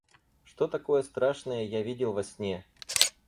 Что такое страшное я видел во сне?